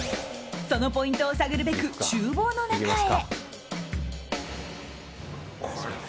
そのポイントを探るべく厨房の中へ。